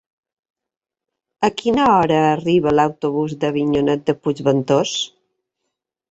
A quina hora arriba l'autobús d'Avinyonet de Puigventós?